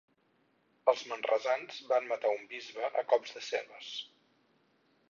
Els manresans van matar un bisbe a cops de cebes.